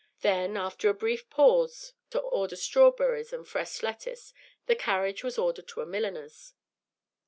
Then, after a brief pause to order strawberries and fresh lettuce, the carriage was ordered to a milliner's.